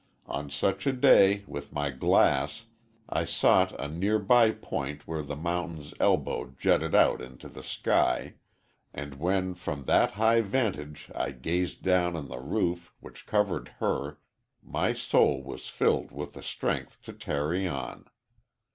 On such a day, with my glass, I sought a near by point where the mountain's elbow jutted out into the sky, and when from that high vantage I gazed down on the roof which covered her, my soul was filled with strength to tarry on.